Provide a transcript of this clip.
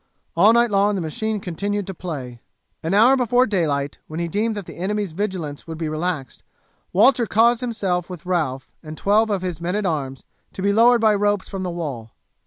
All night long the machine continued to play. An hour before daylight, when he deemed that the enemy's vigilance would be relaxed, Walter caused himself with Ralph and twelve of his men at arms to be lowered by ropes from the wall.